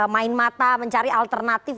main mata mencari alternatif